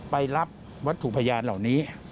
ไปรับวัตถุพยานเหล่านี้